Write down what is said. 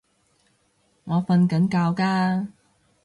我訓緊覺㗎